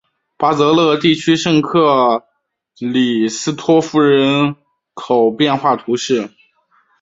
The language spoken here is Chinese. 巴泽勒地区圣克里斯托夫人口变化图示